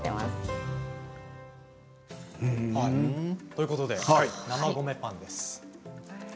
ということで生米パンです。